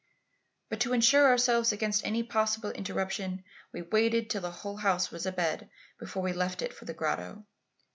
"But to ensure ourselves against any possible interruption, we waited till the whole house was abed before we left it for the grotto.